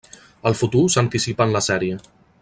El futur s'anticipa en la sèrie.